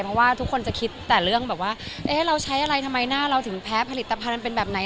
เพราะว่าทุกคนจะคิดแต่เรื่องแบบว่าเราใช้อะไรทำไมหน้าเราถึงแพ้ผลิตภัณฑ์มันเป็นแบบไหน